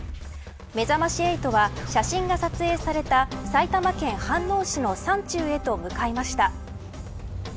めざまし８は、写真が撮影された埼玉県飯能市の山中へと向かいました。